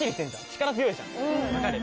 力強いじゃん分かる？